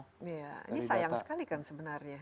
iya ini sayang sekali kan sebenarnya